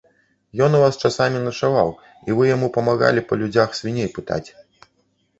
Ён у вас часамі начаваў і вы яму памагалі па людзях свіней пытаць.